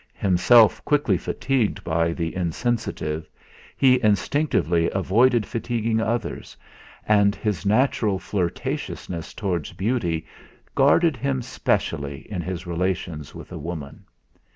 Himself quickly fatigued by the insensitive, he instinctively avoided fatiguing others, and his natural flirtatiousness towards beauty guarded him specially in his relations with a woman.